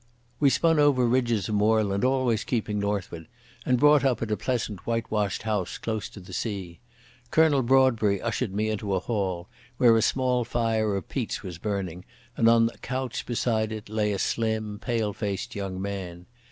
We spun over ridges of moorland, always keeping northward, and brought up at a pleasant white washed house close to the sea. Colonel Broadbury ushered me into a hall where a small fire of peats was burning, and on a couch beside it lay a slim, pale faced young man.